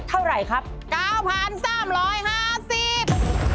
เท่าไหร่ครับ๙๓๕๐บาท